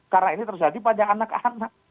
karena ini terjadi pada anak anak